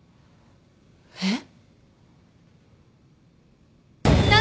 えっ？